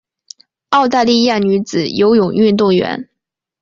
澳大利亚女子游泳运动员。